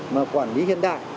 mà quản lý hiện đại